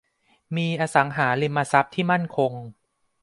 มีอสังหาริมทรัพย์ที่มั่นคง